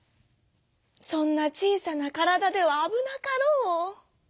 「そんなちいさなからだではあぶなかろう」。